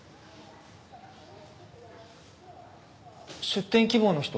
出店希望の人？